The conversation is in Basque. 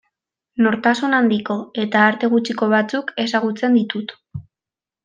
Nortasun handiko eta arte gutxiko batzuk ezagutzen ditut.